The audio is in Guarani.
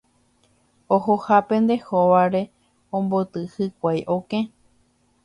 Ohohápente hóvare omboty hikuái okẽ.